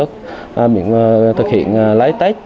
thực hiện lấy test